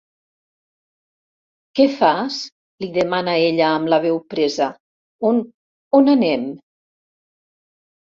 Què fas? —li demana ella, amb la veu presa— On, on anem?